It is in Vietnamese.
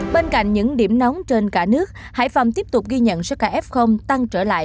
bên cạnh những điểm nóng trên cả nước hải phòng tiếp tục ghi nhận số ca f tăng trở lại